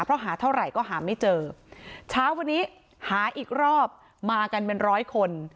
เพราะหาเท่าไหร่ก็หาไม่เจอเช้าวันนี้หาอีกรอบมากันเป็นร้อยคน